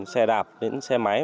xe đạp đến xe máy